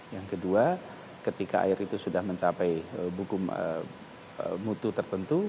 yang kedua ketika air itu sudah mencapai buku mutu tertentu